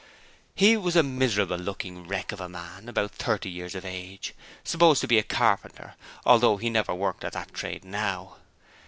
He was a miserable looking wreck of a man about thirty years of age, supposed to be a carpenter, although he never worked at that trade now.